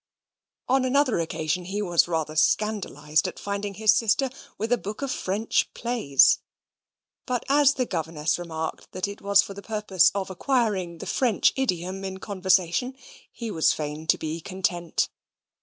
On another occasion he was rather scandalised at finding his sister with a book of French plays; but as the governess remarked that it was for the purpose of acquiring the French idiom in conversation, he was fain to be content.